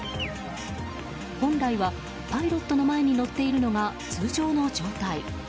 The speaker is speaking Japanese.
本来はパイロットの前に乗っているのが通常の状態。